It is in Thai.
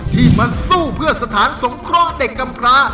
ที่มาสู้เพื่อสถานสงครองเด็กกำพลา